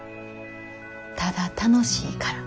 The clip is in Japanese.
「ただ楽しいから」。